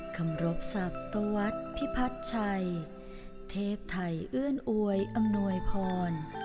คำรบศัตวัสดิพิพัฒน์ชัยเทพไทยเอื้อนอวยอำนวยพร